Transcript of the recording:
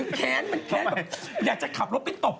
แล้วมันแขนบอกอยากจะขับรถไปตบ